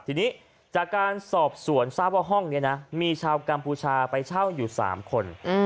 ทีนี้จากการสอบสวนทราบว่าห้องนี้นะมีชาวกัมพูชาไปเช่าอยู่๓คน